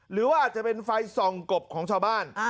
หรือว่าอาจจะเป็นไฟส่องกบของชาวบ้าน